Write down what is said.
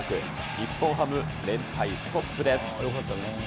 日本ハム、連敗ストップです。